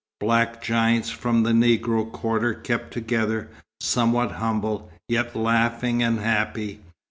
Black giants from the Negro quarter kept together, somewhat humble, yet laughing and happy.